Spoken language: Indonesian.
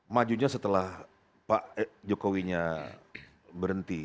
majunya setelah pak jokowinya berhenti